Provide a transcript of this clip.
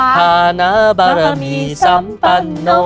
ฐานะบารมีสัมปันโน